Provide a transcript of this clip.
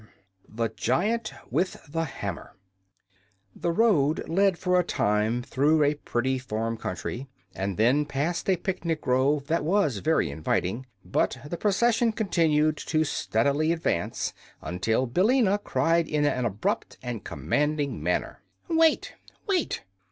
10. The Giant with the Hammer The road led for a time through a pretty farm country, and then past a picnic grove that was very inviting. But the procession continued to steadily advance until Billina cried in an abrupt and commanding manner: "Wait wait!"